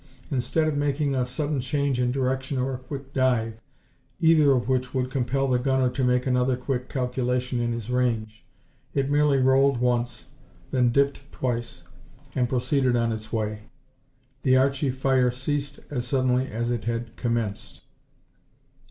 Instead of making a sudden change in direction or a quick dive, either of which would compel the gunner to make another quick calculation in his range, it merely rolled once, then dipped twice, and proceeded on its way. The Archie fire ceased as suddenly as it had commenced.